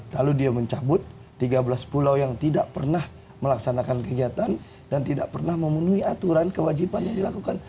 lalu dia mencabut tiga belas pulau yang tidak pernah melaksanakan kegiatan dan tidak pernah memenuhi aturan kewajiban yang dilakukan